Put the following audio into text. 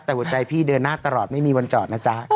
แต่หัวใจพี่เดินหน้าตลอดไม่มีวันจอดนะจ๊ะ